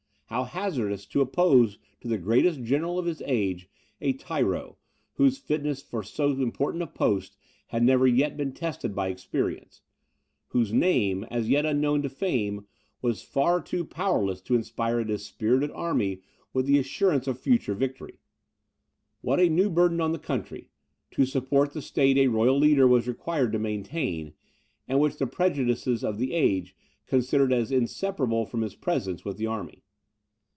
How hazardous to oppose to the greatest general of his age, a tyro, whose fitness for so important a post had never yet been tested by experience; whose name, as yet unknown to fame, was far too powerless to inspire a dispirited army with the assurance of future victory! What a new burden on the country, to support the state a royal leader was required to maintain, and which the prejudices of the age considered as inseparable from his presence with the army!